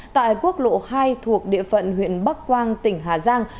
tại quốc lộ hai thuộc địa phận huyện bắc quang tỉnh hà giang